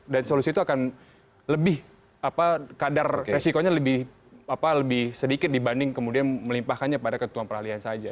dan solusi itu akan lebih apa kadar resikonya lebih apa lebih sedikit dibanding kemudian melimpahkannya pada ketua perahlian saja